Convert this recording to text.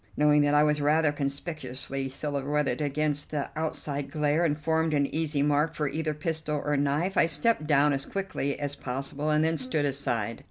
Knowing that I was rather conspicuously silhouetted against the outside glare and formed an easy mark for either pistol or knife, I stepped down as quickly as possible and then stood aside.